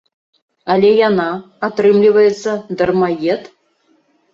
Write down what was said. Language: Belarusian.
Але яна, атрымліваецца, дармаед.